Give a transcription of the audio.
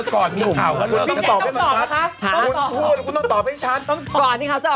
คือรู้จักกันมาก่อน